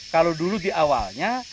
kalau dulu di awalnya